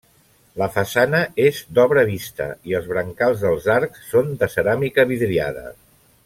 La façana és d'obra vista i els brancals dels arcs són de ceràmica vidriada.